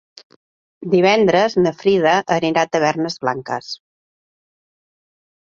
Divendres na Frida anirà a Tavernes Blanques.